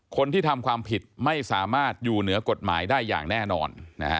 คนที่ทำความผิดไม่สามารถอยู่เหนือกฎหมายได้อย่างแน่นอน